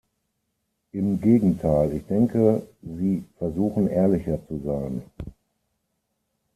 Im Gegenteil, ich denke, sie versuchen ehrlicher zu sein.